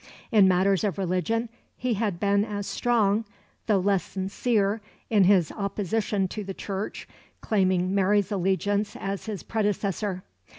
In matters of religion he had been as strong, though less sincere, in his opposition to the Church claiming Mary's allegiance as his predecessor.